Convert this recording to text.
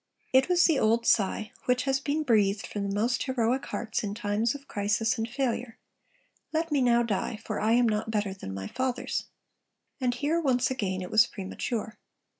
It was the old sigh, which has been breathed from the most heroic hearts in times of crisis and failure; 'Let me now die, for I am not better than my fathers!' And here once again it was premature.